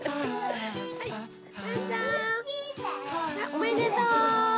おめでとう！